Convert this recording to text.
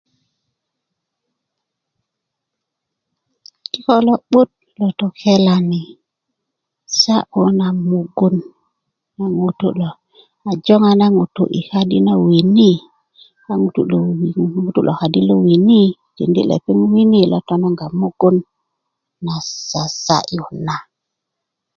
kiko lo'but lo tokelani sa'yu na mugun na ŋutu lo a jöŋa na ŋutu i kadi na wini a ŋutu lo kadi na wini tindi lepeŋ wini lo tonong mugun na sasa'yu na